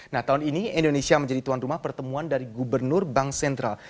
nah tahun ini indonesia menjadi tuan rumah pertemuan dari gubernur bank sentral